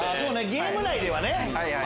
ゲーム内ではね。